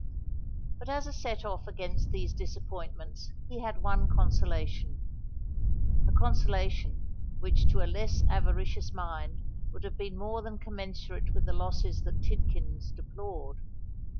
But as a set off against these disappointments he had one consolation—a consolation which to a less avaricious mind would have been more than commensurate with the losses that Tidkins deplored.